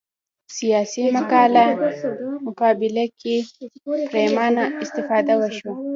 سیاسي مقابله کې پرېمانه استفاده وشوه